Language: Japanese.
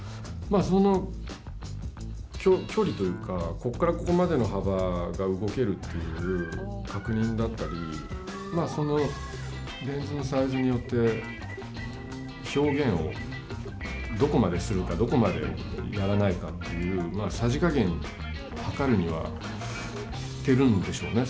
その距離というかここからここまでの幅が動けるっていう確認だったりそのレンズのサイズによって表現をどこまでするかどこまでやらないかというさじ加減はかるにはやってるんでしょうね。